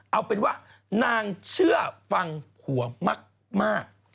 เอาเป็นว่านางเชื่อฟังผัวมาก